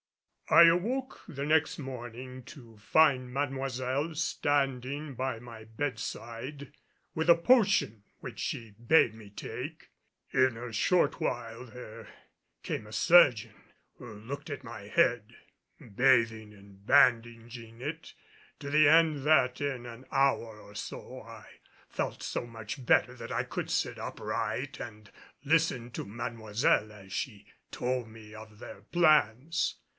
I awoke the next morning to find Mademoiselle standing by my bedside with a potion which she bade me take. In a short while there came a chirurgeon who looked at my head, bathing and bandaging it, to the end that in an hour or so I felt so much better that I could sit upright and listen to Mademoiselle as she told me of their plans.